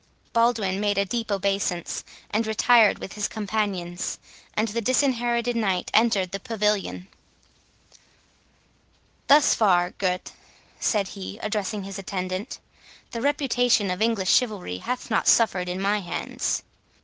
Baldwin made a deep obeisance, and retired with his companions; and the Disinherited Knight entered the pavilion. "Thus far, Gurth," said he, addressing his attendant, "the reputation of English chivalry hath not suffered in my hands."